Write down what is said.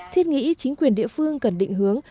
thiết nghĩ chính quyền địa phương cần định hướng